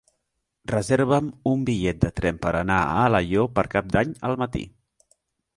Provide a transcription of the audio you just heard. Reserva'm un bitllet de tren per anar a Alaior per Cap d'Any al matí.